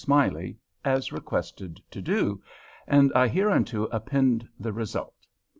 Smiley, as requested to do, and I hereunto append the result.